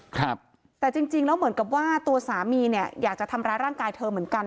แต่จริงแล้วเหมือนกับว่าตัวสามีอยากจะทำร้ายร่างกายเธอเหมือนกัน